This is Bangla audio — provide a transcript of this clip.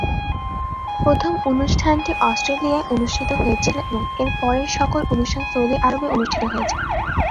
প্রথম অনুষ্ঠানটি অস্ট্রেলিয়ায় অনুষ্ঠিত হয়েছিল এবং এরপরের সকল অনুষ্ঠান সৌদি আরবে অনুষ্ঠিত হয়েছে।